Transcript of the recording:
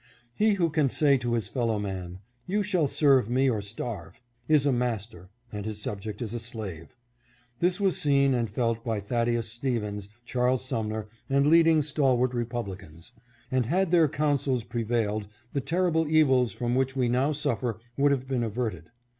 He who can say to his fellow man, " You shall serve me or starve," is a master and his subject is a slave. This was seen and felt by Thaddcus Stevens, Charles Sumner, and leading stalwart Republicans ; and had their counsels prevailed the terri ble evils from which we now suffer would have been averted.